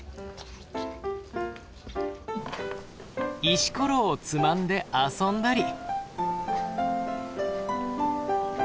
石ころをつまんで遊んだり。